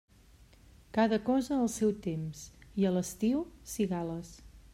Cada cosa al seu temps, i a l'estiu, cigales.